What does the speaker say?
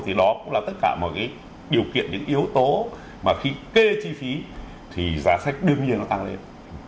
thì đó cũng là tất cả mọi cái điều kiện những yếu tố mà khi kê chi phí thì giá sách đương nhiên nó tăng lên